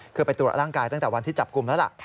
คือไปตรวจร่างกายตั้งแต่วันที่จับกลุ่มแล้วล่ะ